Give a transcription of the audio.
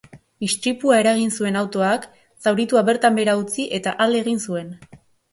Istripua eragin zuen autoak zauritua bertan behera utzi, eta alde egin zuen.